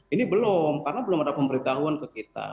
ini belum karena belum ada pemberitahuan ke kita